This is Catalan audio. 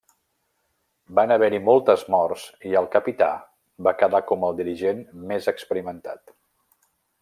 Van haver-hi moltes morts i el Capità va quedar com el dirigent més experimentat.